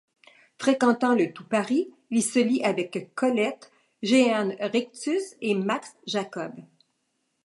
Fréquentant le Tout-Paris, il se lie avec Colette, Jehan-Rictus et Max Jacob.